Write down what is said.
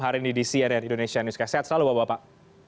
hari ini di cnn indonesia newscast sehat selalu bapak bapak